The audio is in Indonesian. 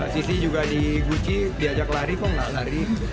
sisi juga di gucci diajak lari kok nggak lari